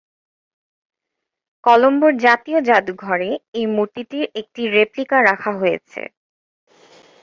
কলম্বোর জাতীয় জাদুঘরে এই মূর্তিটির একটি রেপ্লিকা রাখা হয়েছে।